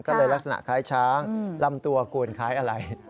ก็เลยลักษณะคล้ายช้างลำตัวกูลคล้ายอะไร